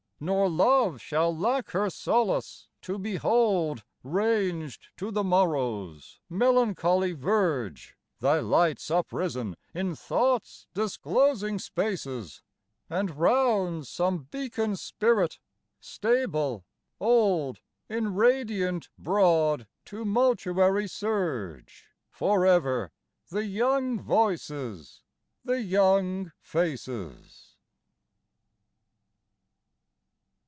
Nor love shall lack her solace, to behold Ranged to the morrow's melancholy verge, Thy lights uprisen in Thought's disclosing spaces; And round some beacon spirit, stable, old, In radiant broad tumultuary surge For ever, the young voices, the young faces.